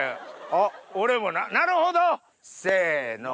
俺もなるほど！せの。